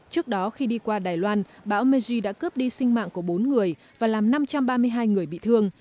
trước đó khi đi qua đài loan bão meji đã cướp đi sinh mạng của bốn người và làm năm trăm ba mươi hai người bị thương